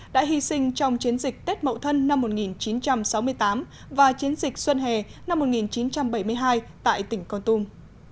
đã hy sinh trong chiến dịch tết mậu thân năm một nghìn chín trăm sáu mươi tám và chiến dịch xuân hè năm một nghìn chín trăm bảy mươi hai tại tỉnh con tum